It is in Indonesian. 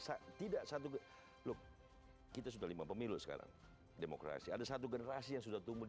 saya tidak satu loh kita sudah lima pemilu sekarang demokrasi ada satu generasi yang sudah tumbuh